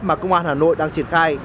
mà công an hà nội đang triển khai